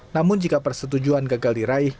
namun jika persetujuan gagal diraih